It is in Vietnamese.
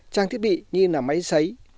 trang thiết bị như là máy sấy